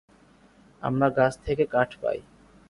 আমরা গাছ থেকে কাঠ পাই।